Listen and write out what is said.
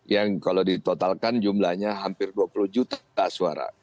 yang kalau ditotalkan jumlahnya hampir dua puluh juta suara